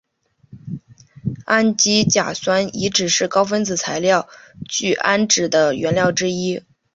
氨基甲酸乙酯是高分子材料聚氨酯的原料之一。